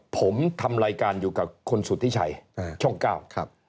ผมทำรายการอยู่กับคุณสุธิชัยช่อง๙ครับ